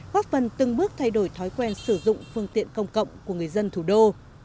góp phần từng bước thay đổi thói quen sử dụng phương tiện công cộng của người dân thủ đô